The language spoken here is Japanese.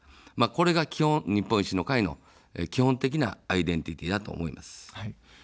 これが基本、日本維新の会の基本的なアイデンティティ−だと思います。